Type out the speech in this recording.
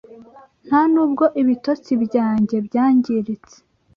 Nta nubwo ibitotsi byanjye byangiritse